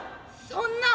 「そんな」。